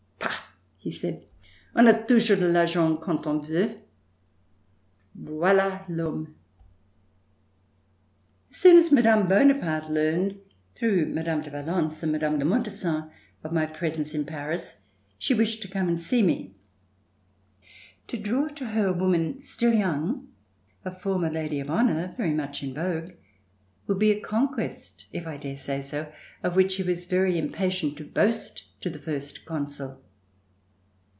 "Bah!" he said, "on a toujours de I'argent quand on veut." Voila I'homme! As soon as Mme. Bonaparte learned through Mme. de Valence and Mme. de Montesson of my presence in Paris she wished me to come and see her. To draw to her a woman still young, a former Lady of Honor very much in vogue, would be a conquest, if I dare say so, of which she was very impatient to boast to the First Consul.